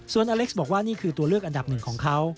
ส่วนอเล็กซ์บอกว่านี่คือตัวเลือกอันดับหนึ่งของเขา